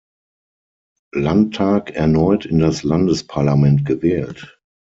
Landtag erneut in das Landesparlament gewählt.